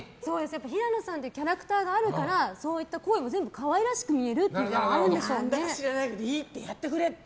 平野さんというキャラクターがあるからそういった声も全部可愛らしく見えるっていうことも何だか知らないけどやってくれって。